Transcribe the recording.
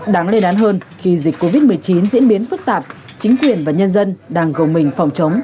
đáng lê đán hơn khi dịch covid một mươi chín diễn biến phức tạp chính quyền và nhân dân đang gồm mình phòng chống